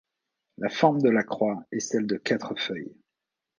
La forme de la croix est celle de quatre feuilles.